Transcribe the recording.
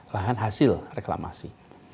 lahan hasil reklamasi